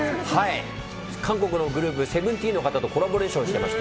韓国のグループＳＥＶＥＮＴＥＥＮの方とコラボレーションしていまして。